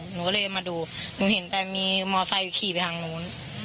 หนูก็เลยมาดูหนูเห็นแต่มีมอไซค์ขี่ไปทางนู้น